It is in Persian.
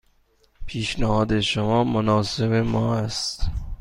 پیشنهاد شما مناسب ما است.